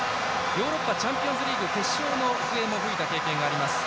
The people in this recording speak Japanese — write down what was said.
ヨーロッパチャンピオンズリーグの笛を吹いた経験もあります。